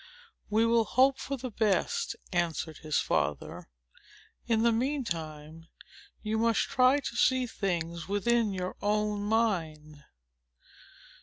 "We will hope for the best," answered his father. "In the mean time, you must try to see things within your own mind."